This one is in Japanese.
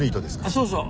そうそう。